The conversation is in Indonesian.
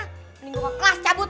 mending gue ke kelas cabut